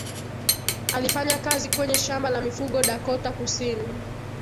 alifanya kazi kwenye shamba la mifugo dakota kusini